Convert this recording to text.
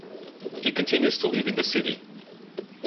He continues to live in the city.